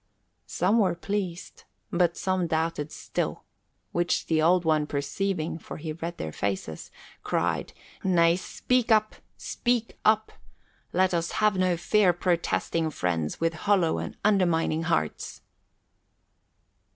Some were pleased, but some doubted still, which the Old One perceiving, for he read their faces, cried, "Nay, speak up, speak up! Let us have no fair protesting friends with hollow and undermining hearts."